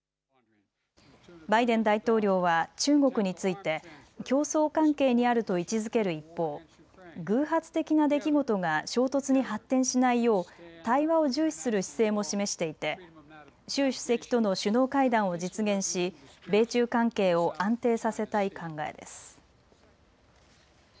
バイデン大統領は中国について競争関係にあると位置づける一方、偶発的な出来事が衝突に発展しないよう対話を重視する姿勢も示していて習主席との首脳会談を実現し米中関係を安定させたい考えです。